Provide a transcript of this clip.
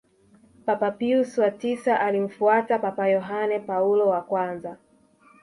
papa pius wa tisa alimfuata Papa yohane paulo wa kwanza